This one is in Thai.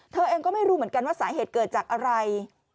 เธอเองก็ไม่รู้เหมือนกันว่าสาเหตุเกิดจากอะไร